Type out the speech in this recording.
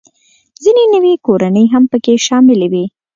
ځینې نوې کورنۍ هم پکې شاملې وې